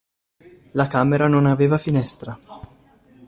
La camera non aveva finestra.